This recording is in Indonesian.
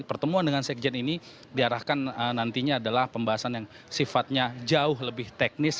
pertemuan dengan sekjen ini diarahkan nantinya adalah pembahasan yang sifatnya jauh lebih teknis